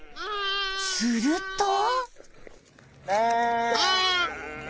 すると。